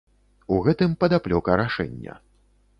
У гэтым падаплёка рашэння.